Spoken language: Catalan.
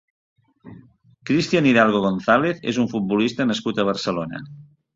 Cristian Hidalgo González és un futbolista nascut a Barcelona.